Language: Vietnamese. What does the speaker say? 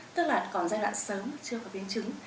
tức là còn giai đoạn sớm chưa có biến chứng